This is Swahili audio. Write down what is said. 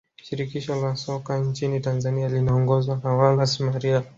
shirikisho la soka nchini Tanzania linaongozwa na wallace Maria